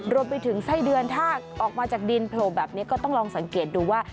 รวมไปถึงไส้เดือนถ้าออกมาจากดินโผล่แบบนี้ก็ต้องลองสังเกตดูว่า